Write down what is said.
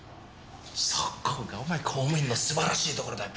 そこがお前公務員の素晴らしいところだよ。